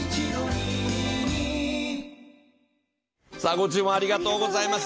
ご注文ありがとうございます。